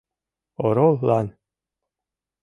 Орол-лан!